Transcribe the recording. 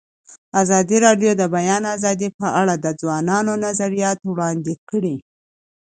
ازادي راډیو د د بیان آزادي په اړه د ځوانانو نظریات وړاندې کړي.